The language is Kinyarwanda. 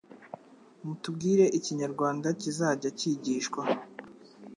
mutubwire ikinyarwanda kizajya kigishwa